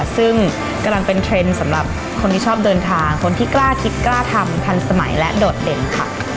ซึ่งกำลังเป็นเทรนด์สำหรับคนที่ชอบเดินทางคนที่กล้าคิดกล้าทำทันสมัยและโดดเด่นค่ะ